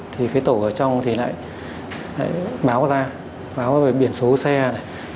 thì cái tổ ở trong thì lại báo ra báo về biển số xe này